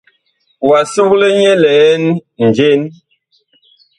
Wa sugle nyɛ liɛn njen ?